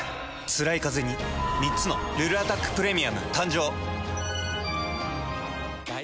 つらいカゼに３つの「ルルアタックプレミアム」誕生。